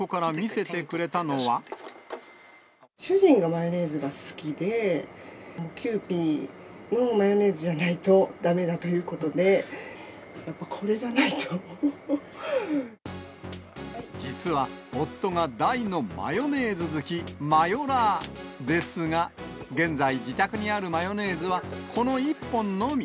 主人がマヨネーズが好きで、キユーピーのマヨネーズじゃないとだめだということで、やっぱこ実は、夫が大のマヨネーズ好き、マヨラーですが、現在、自宅にあるマヨネーズはこの１本のみ。